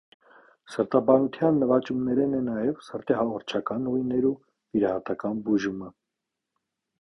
Սրտաբանութեան նուաճումներէն է նաեւ սիրտի հաղորդչական ուղիներու վիրահատական բուժումը։